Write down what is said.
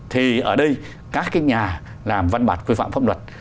thì ở đây các cái nhà làm văn bản quy phạm pháp luật